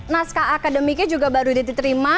naskah akademiknya juga baru diterima